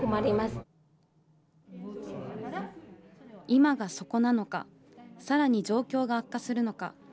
今が底なのか、さらに状況が悪化するのか。